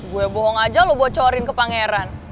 gue bohong aja lo bocorin ke pangeran